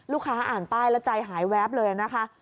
อ่านป้ายแล้วใจหายแวบเลยนะคะ